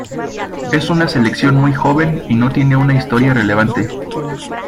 Es una selección muy joven y no tiene una historia relevante.